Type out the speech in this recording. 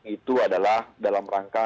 itu adalah dalam rangka